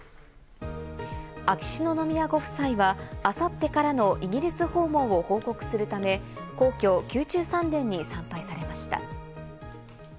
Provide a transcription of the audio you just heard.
秋篠宮ご夫妻は明後日からのイギリス訪問を報告するため、皇居・宮中三殿に参拝されました。